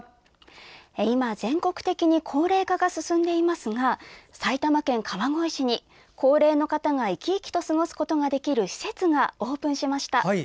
今、全国的に高齢化が進んでいますが埼玉県川越市に、高齢の方が生き生きと過ごすことができる施設がオープンしました。